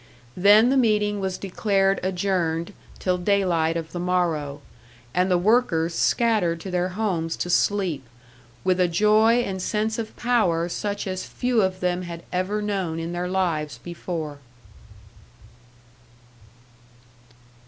Then the meeting was declared adjourned till daylight of the morrow, and the workers scattered to their homes to sleep, with a joy and sense of power such as few of them had ever known in their lives before.